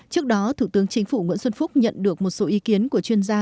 trước đó thủ tướng chính phủ nguyễn xuân phúc nhận được một số ý kiến của chuyên gia